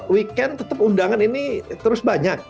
weekend tetap undangan ini terus banyak